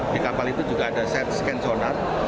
di kapal itu juga ada set scan sonar